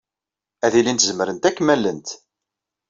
Ad ilint zemrent ad kem-allent.